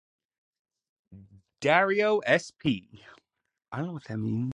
Dario sp.